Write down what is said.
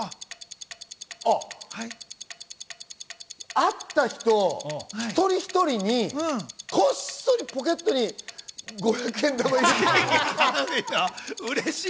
会った人、一人一人にこっそりポケットに５００円玉入れたい。